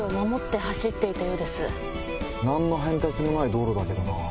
何の変哲もない道路だけどな。